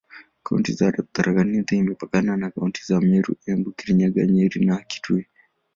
Kaunti ya Tharaka Nithi imepakana na kaunti za Meru, Embu, Kirinyaga, Nyeri na Kitui.